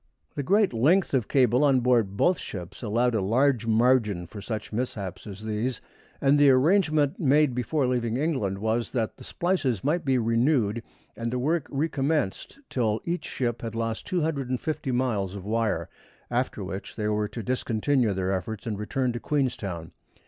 The great length of cable on board both ships allowed a large margin for such mishaps as these, and the arrangement made before leaving England was that the splices might be renewed and the work recommenced till each ship had lost 250 miles of wire, after which they were to discontinue their efforts and return to Queenstown.